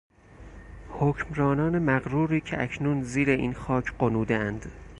حکمرانان مغروری که اکنون زیر این خاک غنودهاند